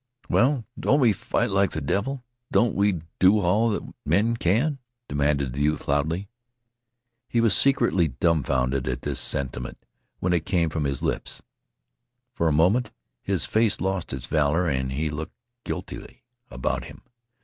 "Well, don't we fight like the devil? Don't we do all that men can?" demanded the youth loudly. He was secretly dumfounded at this sentiment when it came from his lips. For a moment his face lost its valor and he looked guiltily about him.